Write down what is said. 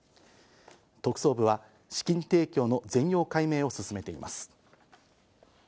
特捜部は資金提供の全容解明を進めています。